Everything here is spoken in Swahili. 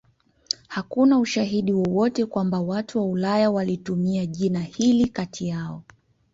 Hakuna ushahidi wowote kwamba watu wa Ulaya walitumia jina hili kati yao.